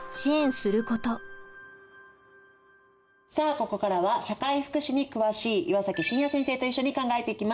ここからは社会福祉に詳しい岩崎晋也先生と一緒に考えていきます。